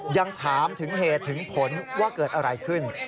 ยังถามถึงเหตุถึงผลว่าเกิดอะไรขึ้น